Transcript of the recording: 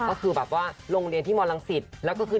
ก็คือแบบว่าโรงเรียนที่มรังสิตแล้วก็คือ